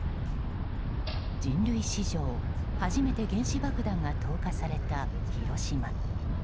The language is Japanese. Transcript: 人類史上初めて原子爆弾が投下された広島。